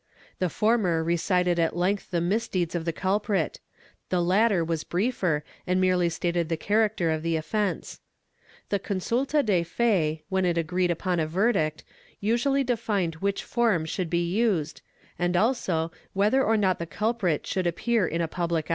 The former recited at length the misdeeds of the culprit; the latter was briefer and merely stated the character of the offence. The consul ta de fe, when it agreed upon a verdict, usually defined which form should be used, and also whether or not the culprit should appear in a public auto.